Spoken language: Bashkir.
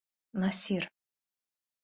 Насир!